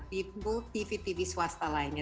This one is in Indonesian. di tv tv swasta lainnya